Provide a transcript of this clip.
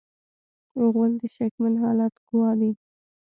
غول د شکمن حالت ګواه دی.